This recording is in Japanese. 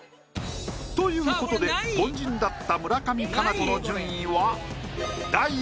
ということで凡人だった村上佳菜子の順位は。